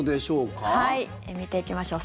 見ていきましょう。